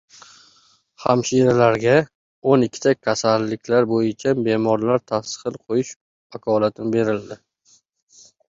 Hamshiralarga o'n ikkita kasalliklar bo‘yicha bemorlarga tashxis qo‘yish vakolati beriladi